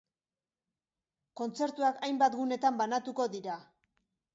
Kontzertuak hainbat gunetan banatuko dira.